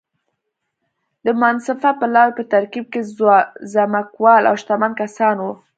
د منصفه پلاوي په ترکیب کې ځمکوال او شتمن کسان وو.